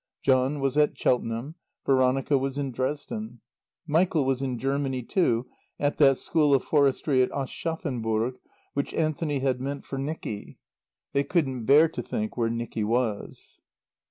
John was at Cheltenham; Veronica was in Dresden. Michael was in Germany, too, at that School of Forestry at Aschaffenburg which Anthony had meant for Nicky. They couldn't bear to think where Nicky was.